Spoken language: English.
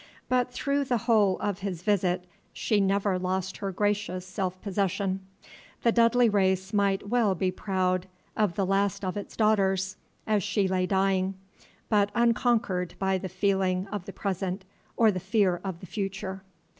But through the whole of his visit she never lost her gracious self possession. The Dudley race might well be proud of the last of its daughters, as she lay dying, but unconquered by the feeling of the present or the fear of the future.